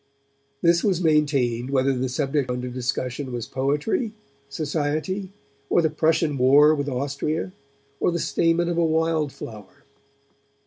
This was maintained whether the subject under discussion was poetry, or society, or the Prussian war with Austria, or the stamen of a wild flower.